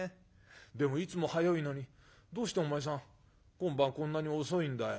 でもいつも早いのにどうしてお前さん今晩こんなに遅いんだよ？』。